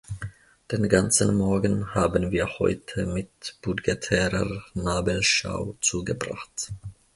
Den ganzen Morgen haben wir heute mit budgetärer Nabelschau zugebracht.